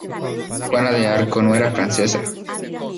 Juana de Arco no era francesa.